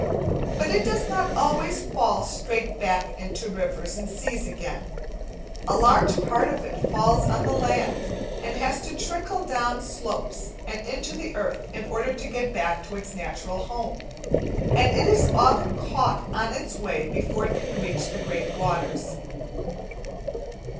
But it does not always fall straight back into the rivers and seas again, a large part of it falls on the land, and has to trickle down slopes and into the earth, in order to get back to its natural home, and it is often caught on its way before it can reach the great waters.